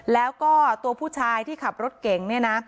แล้วก็ตัวผู้ชายที่ขับรถเก่งเนี่ยนะ